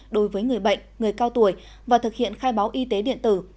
đối với người bệnh người cao tuổi và thực hiện khai báo y tế điện tử